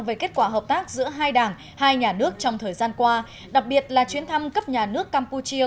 về kết quả hợp tác giữa hai đảng hai nhà nước trong thời gian qua đặc biệt là chuyến thăm cấp nhà nước campuchia